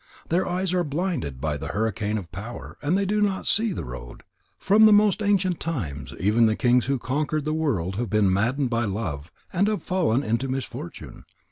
Their eyes are blinded by the hurricane of power, and they do not see the road. From the most ancient times, even the kings who conquered the world have been maddened by love and have fallen into misfortune.